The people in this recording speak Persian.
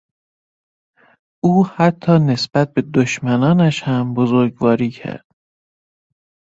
او حتی نسبت به دشمنانش هم بزرگواری کرد.